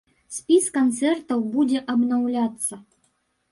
Спіс канцэртаў будзе абнаўляцца.